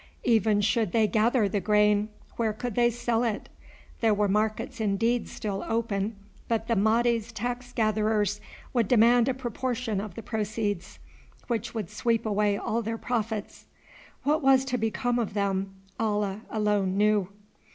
Even should they gather the grain, where could they sell it? There were markets indeed still open, but the Mahdi's tax gatherers would demand a proportion of the proceeds, which would sweep away all their profits. What was to become of them Allah alone knew.